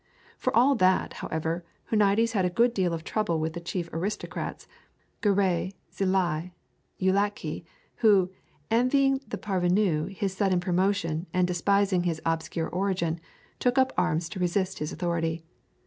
For all that, however, Huniades had a good deal of trouble with the chief aristocrats, Garay, Czillei, Ujlaki, who, envying the parvenu his sudden promotion and despising his obscure origin, took up arms to resist his authority.